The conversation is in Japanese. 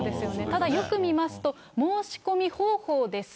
ただよく見ますと、申し込み方法です